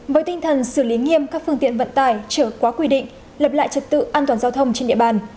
với tinh thần xử lý nghiêm các phương tiện vận tải trở quá quy định lập lại trật tự an toàn giao thông trên địa bàn